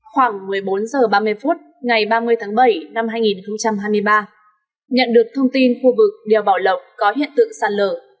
khoảng một mươi bốn h ba mươi phút ngày ba mươi tháng bảy năm hai nghìn hai mươi ba nhận được thông tin khu vực đèo bảo lộc có hiện tượng sạt lở